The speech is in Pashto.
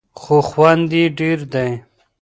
خو خوند یې ډېر دی.